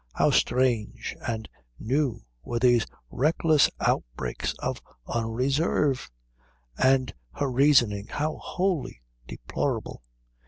How strange and new were these reckless outbreaks of unreserve. And her reasoning, how wholly deplorable.